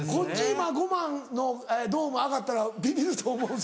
今５万人のドーム上がったらビビると思うぞ。